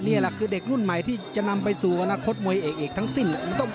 นี่แหละคือเด็กรุ่นใหม่ที่จะนำไปสู่อนาคตมวยเอกอีกทั้งสิ้น